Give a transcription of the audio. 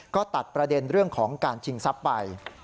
ก็ตัดประเด็นเรื่องของการชิงทรัพย์ไป